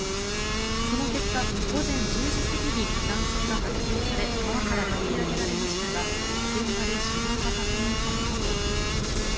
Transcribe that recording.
その結果、午前１０時過ぎに男性が発見され川から引き上げられましたが現場で死亡が確認されたということです。